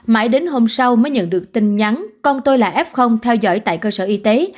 mãi đến hôm sau mới nhận được tin nhắn con tôi là f theo dõi tại cơ sở y tế